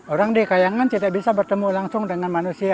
orang di kayangan tidak bisa bertemu langsung dengan manusia